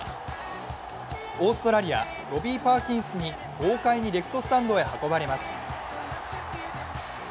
オーストラリア、ロビー・パーキンスに豪快にレフトスタンドに運ばれます。